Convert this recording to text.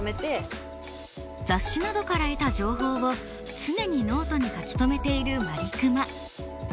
雑誌などから得た情報を常にノートに書き留めているまりくま。